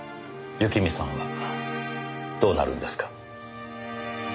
雪美さんはどうなるんですか？